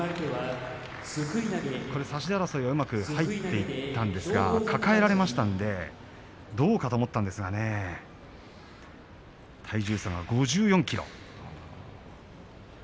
差し手争いはうまく入っていったんですが抱えられましたのでどうかと思ったんですが体重差は５４ｋｇ。